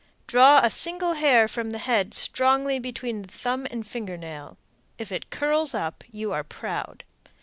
Draw a single hair from the head strongly between the thumb and finger nail. If it curls up, you are proud.